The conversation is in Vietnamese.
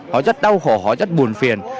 họ rất đau khổ họ rất buồn phiền